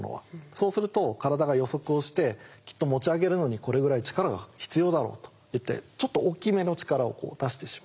そうすると体が予測をして「きっと持ち上げるのにこれぐらい力が必要だろう」といってちょっと大きめの力を出してしまう。